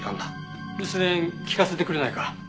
留守電聞かせてくれないか？